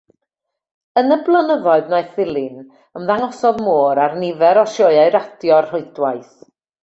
Yn y blynyddoedd wnaeth ddilyn, ymddangosodd Moore ar nifer o sioeau radio'r rhwydwaith.